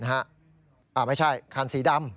อ่ะไม่ใช่